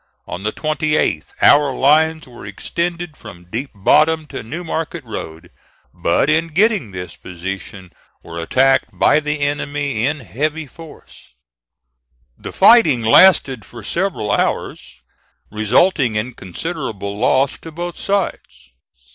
On the 28th our lines were extended from Deep Bottom to New Market Road, but in getting this position were attacked by the enemy in heavy force. The fighting lasted for several hours, resulting in considerable loss to both sides.